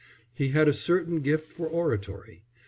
He had a certain gift for oratory.